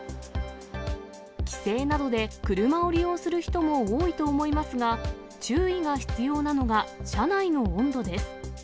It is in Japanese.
帰省などで車を利用する人も多いと思いますが、注意が必要なのが、車内の温度です。